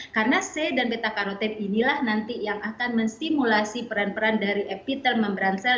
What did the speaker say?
karena c dan beta carotene inilah nanti yang akan menstimulasi peran peran dari epitel membransel